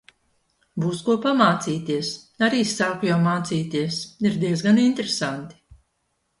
Būs ko pamācīties. Arī sāku jau mācīties. Ir diez gan interesanti.